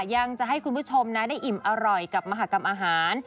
ยังจะให้คุณผู้ชมนะได้อิ่มอร่อยกับมหากรรมอาหาร